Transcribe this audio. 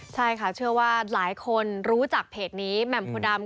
ใช่ค่ะเชื่อว่าหลายคนรู้จักเพจนี้แหม่มโพดำ